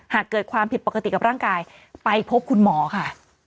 หากเกิดความผิดปกติกับร่างกายไปพบคุณหมอค่ะ